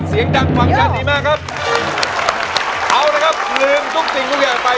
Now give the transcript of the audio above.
เสียงดังฟังก์ดีมากครับเอาละครับลืมทุกสิ่งทุกอย่างไป